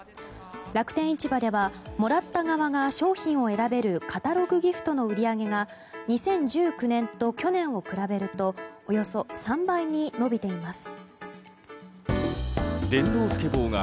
楽天市場ではもらった側が商品を選べるカタログギフトの売り上げが２０１９年と去年を比べるとおよそ３倍に伸びています。